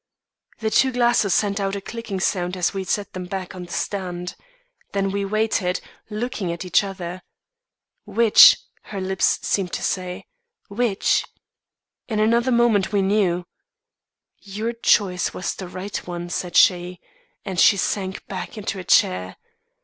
"The two glasses sent out a clicking sound as we set them back on the stand. Then we waited, looking at each other. 'Which?' her lips seemed to say. 'Which?' In another moment we knew. 'Your choice was the right one,' said she, and she sank back into a chair.